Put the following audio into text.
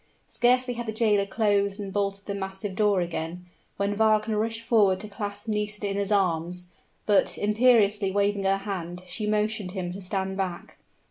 Scarcely had the jailer closed and bolted the massive door again, when Fernand rushed forward to clasp Nisida in his arms; but, imperiously waving her hand, she motioned him to stand back.